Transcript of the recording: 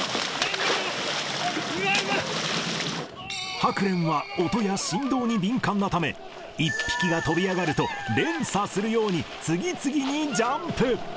ハクレンは音や振動に敏感なため、１匹が飛び上がると、連鎖するように次々にジャンプ。